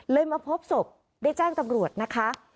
มาพบศพได้แจ้งตำรวจนะคะ